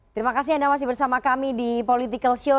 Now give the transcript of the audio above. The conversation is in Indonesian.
terima kasih anda masih bersama kami di political show